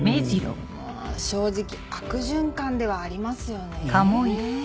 まぁ正直悪循環ではありますよね。ねぇ。